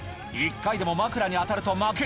１回でも枕に当たると負け。